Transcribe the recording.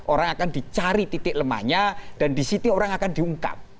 orang akan dicari titik lemahnya dan disitu orang akan diungkap